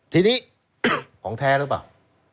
ทีนี้ของแท้หรือเปล่า